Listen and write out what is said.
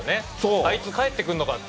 あいつ帰ってくるのかって。